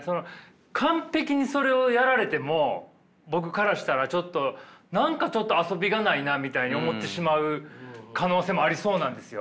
完璧にそれをやられても僕からしたらちょっと何かちょっと遊びがないなみたいに思ってしまう可能性もありそうなんですよ。